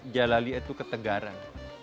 jalaliah itu ketegaran